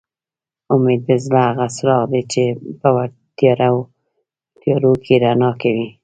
اميد د زړه هغه څراغ دي چې په تيارو کې رڼا کوي